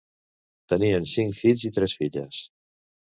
Tenien cinc fills i tres filles.